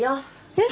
えっ？